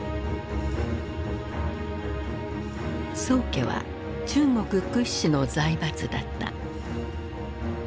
宋家は中国屈指の財閥だった。